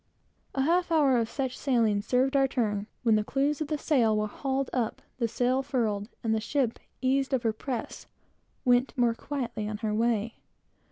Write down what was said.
A half hour of such sailing served our turn, when the clews of the sail were hauled up, the sail furled, and the ship, eased of her press, went more quietly on her way.